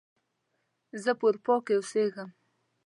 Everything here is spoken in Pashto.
زه په اروپا کې اوسیږم